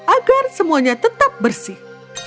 agar semuanya tetap bersih